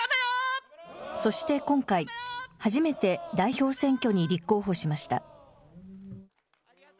そして今回、初めて代表選挙に立候補しました。